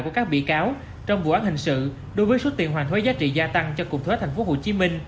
của các bị cáo trong vụ án hình sự đối với số tiền hoàn thuế giá trị gia tăng cho cục thuế tp hcm